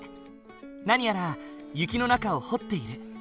何やら雪の中を掘っている。